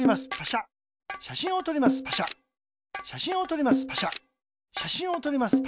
しゃしんをとります。